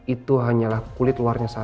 itu hanyalah kulit luarnya saja